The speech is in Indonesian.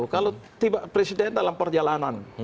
kalau presiden dalam perjalanan